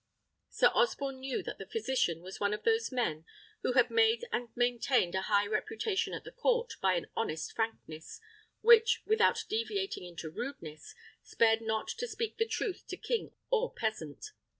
Sir Osborne knew that the physician was one of those men who had made and maintained a high reputation at the court by an honest frankness, which, without deviating into rudeness, spared not to speak the truth to king or peasant.